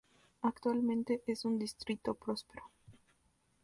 Actualmente es un distrito próspero.